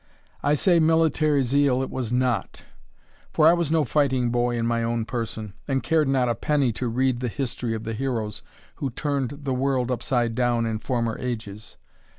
I say, military zeal it was not; for I was no fighting boy in my own person, and cared not a penny to read the history of the heroes who turned the world upside down in former ages.